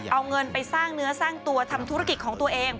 เอาเงินไปสร้างเนื้อสร้างตัวทำธุรกิจของตัวเอง